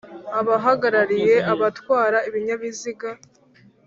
abahagarariye abatwara ibinyabiziga;